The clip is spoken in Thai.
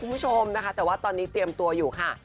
คุณผู้ชมนะคะแต่ว่าตอนนี้เตรียมตัวอยู่ค่ะ